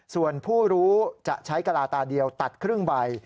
ส่วนผู้รู้จะใช้กระลาตาเดียวตัดครึ่งใบ